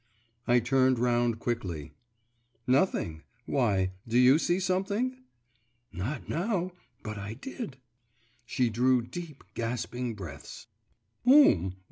I turned round quickly. 'Nothing. Why, do you see something?' 'Not now, but I did.' She drew deep, gasping breaths. 'Whom?